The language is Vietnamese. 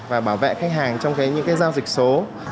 và bảo vệ khách hàng trong những giao dịch số